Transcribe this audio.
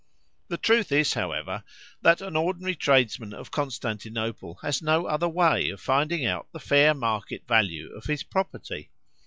The truth is, however, that an ordinary tradesman of Constantinople has no other way of finding out the fair market value of his property.